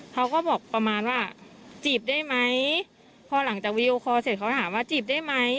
เขาก็บอกประมาณว่าจีบได้ไหมพอหลังจากวีดีโอคอลเสร็จเขาถามว่าจีบได้ไหม